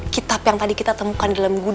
kitab yang tadi kita temukan dalam buku buku itu